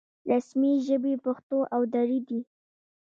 رسمي ژبې پښتو او دري دي